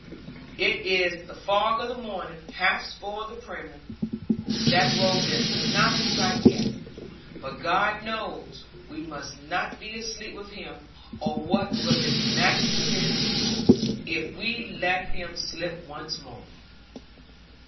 It is the fog of the morning hath spoiled the priming. That rogue is not in sight yet: but God knows we must not be asleep with him, or what will His Majesty say to me, if we let him slip once more?"